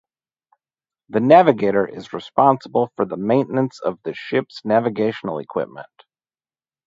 The navigator is responsible for the maintenance of the ship's navigational equipment.